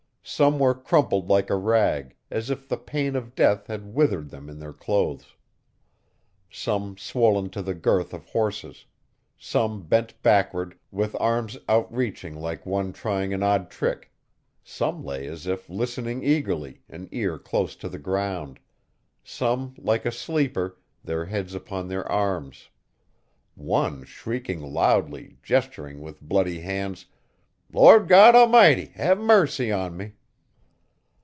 Some were crumpled like a rag, as if the pain of death had withered them in their clothes; some swollen to the girth of horses; some bent backward, with arms outreaching like one trying an odd trick, some lay as if listening eagerly, an ear close to the ground; some like a sleeper, their heads upon their arms; one shrieked loudly, gesturing with bloody hands, 'Lord God Almighty, have mercy on me!